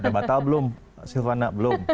batal belum silvana belum